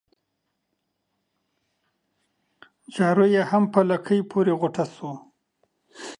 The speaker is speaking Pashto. جارو يې هم په لکۍ پوري غوټه سو